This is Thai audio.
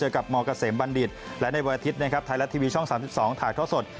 เจอกับมกระเสมบัณฑิตและในวันอาทิตย์ไทยและทีวีช่อง๓๒ถ่ายทดสอด